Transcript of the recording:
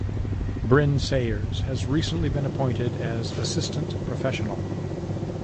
Bryn Sayers has recently been appointed as Assistant Professional.